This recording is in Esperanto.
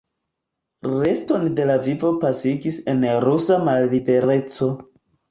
Reston de la vivo pasigis en rusa mallibereco.